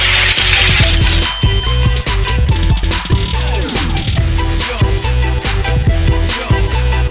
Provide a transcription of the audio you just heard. โปรดติดตามตอนต่อไป